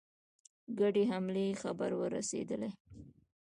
ګډې حملې خبر ورسېدی.